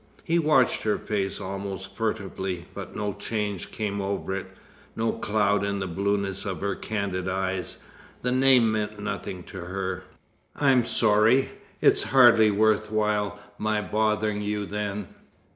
He watched her face almost furtively, but no change came over it, no cloud in the blueness of her candid eyes. The name meant nothing to her. "I'm sorry. It's hardly worth while my bothering you then."